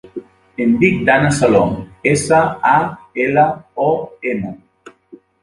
Em dic Danna Salom: essa, a, ela, o, ema.